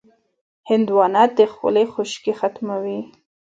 هندوانه د خولې خشکي ختموي.